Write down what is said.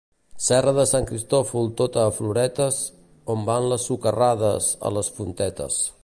Serra de Sant Cristòfol tota a floretes, on van les socarrades a les fontetes.